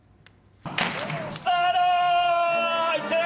スタート！